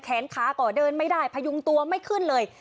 แขนขาก็เดินไม่ได้พยุงตัวไม่ขึ้นเลย